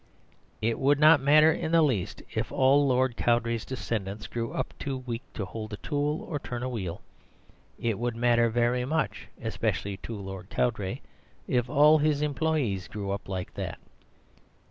It would not matter in the least if all Lord Cowdray's descendants grew up too weak to hold a tool or turn a wheel. It would matter very much, especially to Lord Cowdray, if all his employees grew up like that.